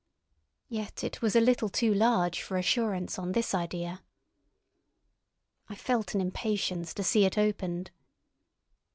Yet it was a little too large for assurance on this idea. I felt an impatience to see it opened.